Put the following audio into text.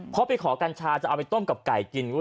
เพราะไปขอกัญชาจะเอาไปต้มกับไก่กิน